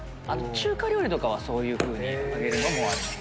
中華料理とかはそういうふうに揚げるのもあります